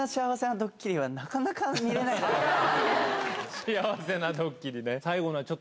幸せなドッキリね。